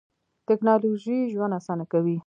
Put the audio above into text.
تکنالوژي ژوند آسانه کوي.